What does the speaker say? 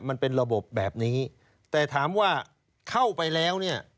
มันเป็นระบบแบบนี้แต่ถามว่าเข้าไปแล้วเนี่ย